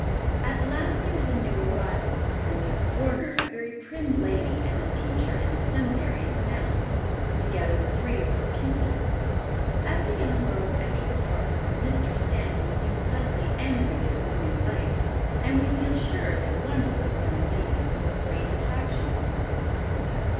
At last there is a new arrival, and Miss Warner, a very prim lady and a teacher in the seminary, is announced, together with three of her pupils. As the young girls enter the parlor, Mr. Stanton seems suddenly animated with new life, and we feel sure that one of those young ladies has a great attraction for him.